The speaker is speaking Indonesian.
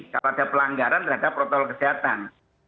kalau ada pelanggaran terhadap protokol kesehatan